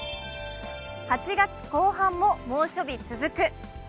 ８月後半も猛暑日続く。